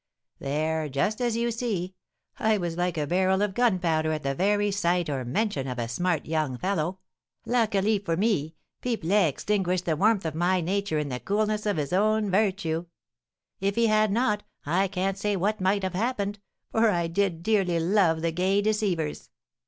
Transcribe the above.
There, just as you see. I was like a barrel of gunpowder at the very sight or mention of a smart young fellow. Luckily for me, Pipelet extinguished the warmth of my nature in the coolness of his own virtue; if he had not, I can't say what might have happened, for I did dearly love the gay deceivers!